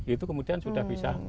itu kemudian sudah bisa